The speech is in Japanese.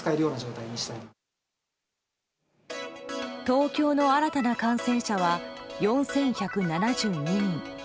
東京の新たな感染者は４１７２人。